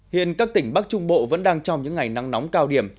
hiện các tỉnh bắc trung bộ vẫn đang trong những ngày nắng nóng cao điểm